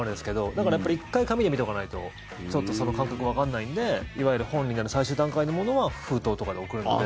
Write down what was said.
だから、やっぱり１回、紙で見ておかないとその感覚わかんないんでいわゆる本になる最終段階のものは封筒とかで送るので。